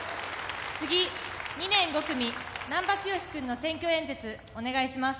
次２年５組難破剛君の選挙演説お願いします。